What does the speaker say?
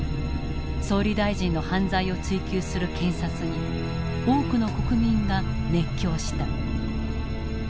総理大臣の犯罪を追及する検察に多くの国民が熱狂した。